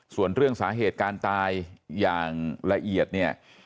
ส่วนเรื่องสาเหตุการตายอย่างละเอียดเนี่ย